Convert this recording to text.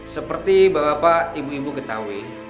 seperti bapak bapak ibu ibu ketahui